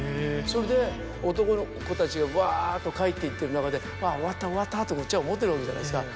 それで男の子たちがわっと帰っていっている中で「終わった終わった」とこっちは思っているわけじゃないですか。